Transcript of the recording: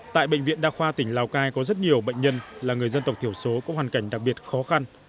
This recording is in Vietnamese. tại bệnh viện đa khoa tỉnh lào cai có rất nhiều bệnh nhân là người dân tộc thiểu số có hoàn cảnh đặc biệt khó khăn